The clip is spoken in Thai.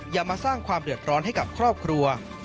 อย่ามาสร้างความเดือดร้อนให้กับครอบครัว